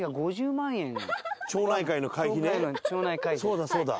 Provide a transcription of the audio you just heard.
そうだそうだ。